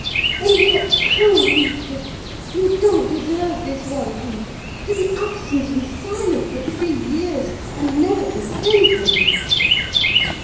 And yet, cruel Heathcliff! you don't deserve this welcome. To be absent and silent for three years, and never to think of me!"